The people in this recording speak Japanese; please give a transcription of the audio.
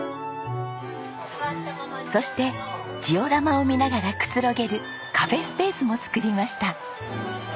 そしてジオラマを見ながらくつろげるカフェスペースも作りました。